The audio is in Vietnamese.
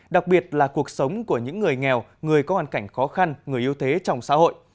đặc biệt là cuộc sống của những người nghèo người có hoàn cảnh khó khăn người yêu thế trong xã hội